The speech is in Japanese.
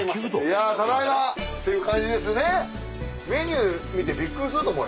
いやあただいまっていう感じですね。